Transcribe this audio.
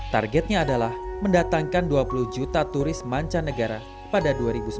targetnya adalah mendatangkan dua puluh juta turis mancanegara pada dua ribu sembilan belas